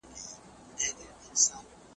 نازګله